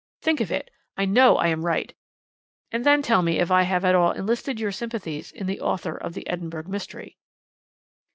Think of it I know I am right and then tell me if I have at all enlisted your sympathies in the author of the Edinburgh Mystery."